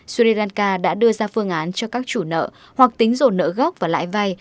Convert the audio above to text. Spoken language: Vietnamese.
sri lanka đã đưa ra phương án cho các chủ nợ hoặc tính dồn nợ gốc và lãi vay